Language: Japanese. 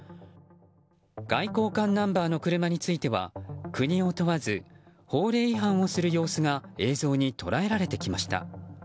外交官ナンバーの車については国を問わず法令違反をする様子が映像に捉えられてきました。